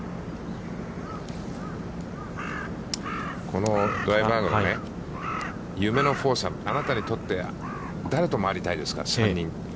このドライバーグは、あなたにとって、誰と回りたいですか、３人。